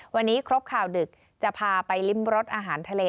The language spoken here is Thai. วันนี้ครบข่าวดึกจะพาไปริมรสอาหารทะเล